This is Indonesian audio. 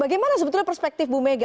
bagaimana sebetulnya perspektif bu mega